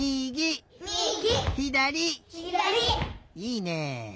いいね！